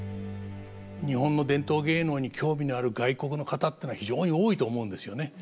日本の伝統芸能に興味のある外国の方っていうのは非常に多いと思うんですよね。